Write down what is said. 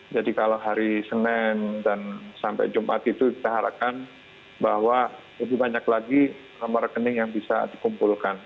jadi kalau hari senin dan sampai jumat itu kita harapkan bahwa lebih banyak lagi sama rekening yang bisa dikumpulkan